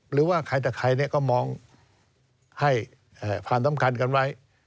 หรือว่าใครแต่ใครก็มองให้ความสำคัญกันไว้